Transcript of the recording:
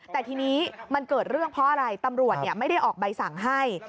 แต่ทีนี้มันเกิดเรื่องเพราะอะไรตำรวจไม่ได้ออกใบสั่งให้